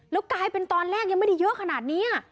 แล้วกลายเป็นตอนแรกยังไม่ได้เยอะขนาดนี้